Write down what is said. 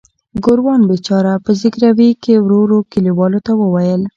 ګوروان بیچاره په زګیروي کې ورو ورو کلیوالو ته وویل.